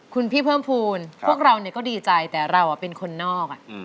คุณพี่เพิ่มภูมิพวกเราก็ดีใจแต่เราเป็นคนนอก